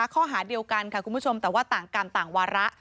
ข้อหาเดียวกันค่ะคุณผู้ชมแต่ว่าต่างกรรมต่างวาระ